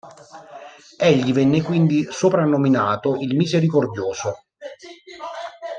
Egli venne quindi soprannominato "il Misericordioso".